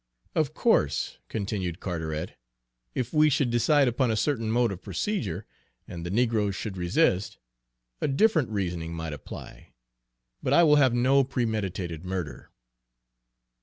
"Of course," continued Carteret, "if we should decide upon a certain mode of procedure, and the negroes should resist, a different reasoning might apply; but I will have no premeditated murder."